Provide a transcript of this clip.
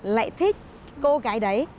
lại thích cô gái đấy